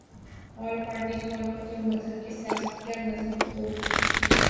آل parties conference اور مذہب کی سیاست کیا مذہب کو